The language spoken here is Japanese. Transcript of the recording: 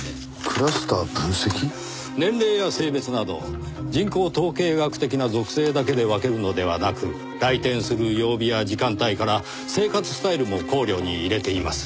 年齢や性別など人口統計学的な属性だけで分けるのではなく来店する曜日や時間帯から生活スタイルも考慮に入れています。